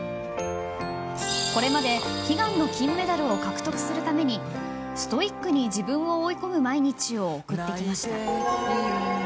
これまで悲願の金メダルを獲得するためにストイックに自分を追い込む毎日を送ってきました。